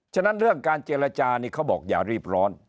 ฉะนั้นเรื่องการเจรจานี่เขาบอกอย่ารีบร้อน